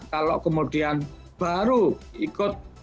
kalau kemudian baru ikut